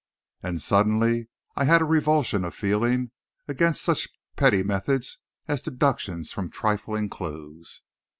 And suddenly I had a revulsion of feeling against such petty methods as deductions from trifling clues.